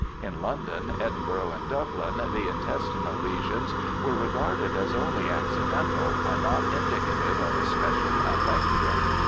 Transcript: In London, Edinburgh, and Dublin the intestinal lesions were regarded as only accidental, and not indicative of a special affection.